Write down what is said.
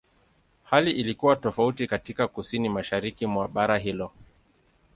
Hali ilikuwa tofauti katika Kusini-Mashariki mwa bara hilo.